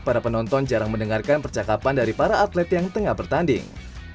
para penonton jarang mendengarkan percakapan dari para atlet yang tengah bertanding